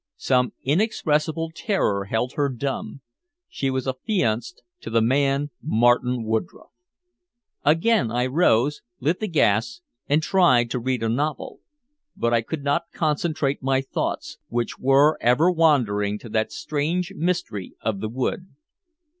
Some inexpressible terror held her dumb she was affianced to the man Martin Woodroffe. Again I rose, lit the gas, and tried to read a novel. But I could not concentrate my thoughts, which were ever wandering to that strange mystery of the wood.